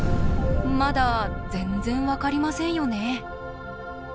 まだ全然分かりませんよね。